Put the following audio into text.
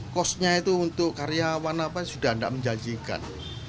kosnya itu untuk karyawan apa sudah tidak menjanjikan